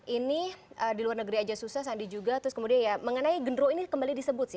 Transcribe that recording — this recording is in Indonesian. ini di luar negeri aja susah sandi juga terus kemudian ya mengenai gendro ini kembali disebut sih